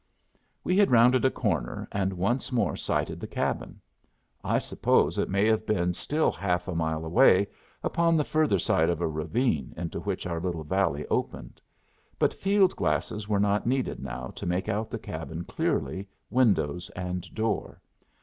We had rounded a corner, and once more sighted the cabin. I suppose it may have been still half a mile away, upon the further side of a ravine into which our little valley opened. But field glasses were not needed now to make out the cabin clearly, windows and door.